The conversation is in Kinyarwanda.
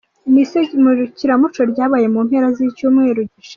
Ni iserukiramuco ryabaye mu mpera z’icyumweru gishize.